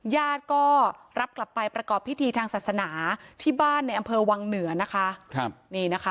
ญาติก็รับกลับไปประกอบพิธีทางศาสนาที่บ้านในอำเภอวังเหนือนะคะครับนี่นะคะ